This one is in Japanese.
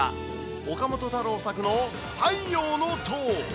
岡本太郎作の太陽の塔。